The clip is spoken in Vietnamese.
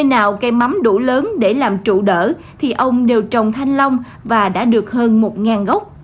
nào cây mắm đủ lớn để làm trụ đỡ thì ông đều trồng thanh long và đã được hơn một gốc